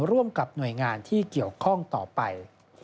ร่วมกับหน่วยงานที่เกี่ยวข้องต่อไป